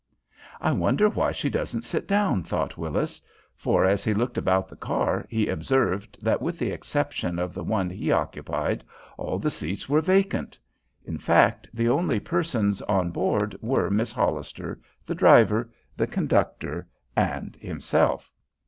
"I wonder why she doesn't sit down?" thought Willis; for as he looked about the car he observed that with the exception of the one he occupied all the seats were vacant. In fact, the only persons on board were Miss Hollister, the driver, the conductor, and himself.